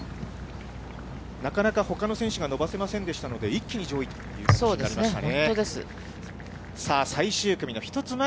なかなかほかの選手が伸ばせませんでしたので、一気に上位にという形になりましたね。